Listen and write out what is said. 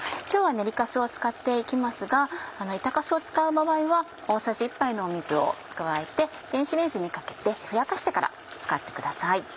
今日は練り粕を使って行きますが板粕を使う場合は大さじ１杯の水を加えて電子レンジにかけてふやかしてから使ってください。